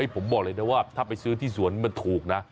ผมบอกเลยนะว่าถ้าไปซื้อที่สวนมันถูกนะ